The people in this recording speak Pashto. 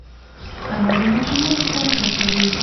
انا د ماشومانو خواړه خوښوي